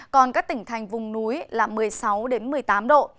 còn các tỉnh thành vùng núi là một mươi sáu một mươi tám độ